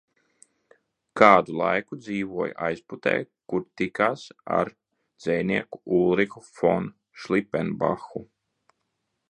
Kādu laiku dzīvoja Aizputē, kur tikās ar dzejnieku Ulrihu fon Šlipenbahu.